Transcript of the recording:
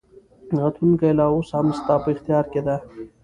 راتلونکې لا اوس هم ستا په اختیار کې ده.